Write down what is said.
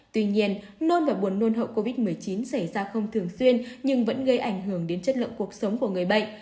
tuy nhiên nôn và buồn nôn hậu covid một mươi chín xảy ra không thường xuyên nhưng vẫn gây ảnh hưởng đến chất lượng cuộc sống của người bệnh